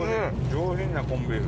上品なコンビーフ。